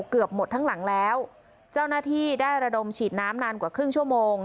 เกือบหมดทั้งหลังแล้วเจ้าหน้าที่ได้ระดมฉีดน้ำนานกว่าครึ่งชั่วโมง